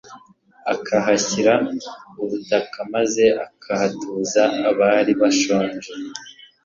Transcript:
akahashyira ubutaka maze akahatuza abari bashonje